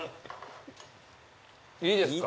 いいですか？